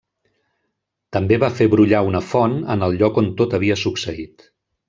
També va fer brollar una font en el lloc on tot havia succeït.